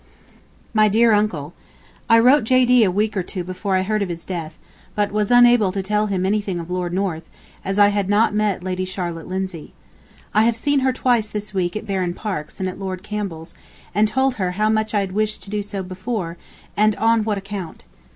MY DEAR UNCLE: ... I wrote [J. D.] a week or two before I heard of his death, but was unable to tell him anything of Lord North, as I had not met Lady Charlotte Lindsay. I have seen her twice this week at Baron Parke's and at Lord Campbell's, and told her how much I had wished to do so before, and on what account.